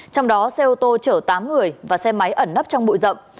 trong đó xe ô tô chở tám người và xe máy ẩn nấp trong bụi rậm